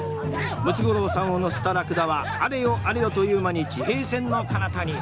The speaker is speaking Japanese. ムツゴロウさんを乗せたラクダはあれよあれよという間に地平線の彼方に。